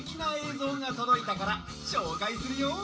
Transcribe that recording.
ぞうがとどいたからしょうかいするよ！